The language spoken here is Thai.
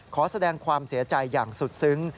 ขอแสดงความเสียใจอย่างสุดซึ้ง